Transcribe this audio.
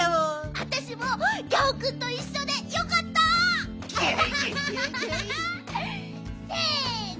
あたしもギャオくんといっしょでよかった！せの。